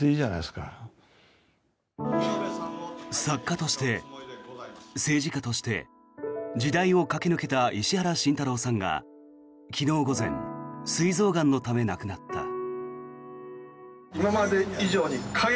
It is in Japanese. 作家として、政治家として時代を駆け抜けた石原慎太郎さんが昨日午前すい臓がんのため亡くなった。